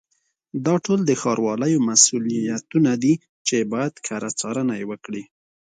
دا ټول د ښاروالیو مسؤلیتونه دي چې باید کره څارنه یې وکړي.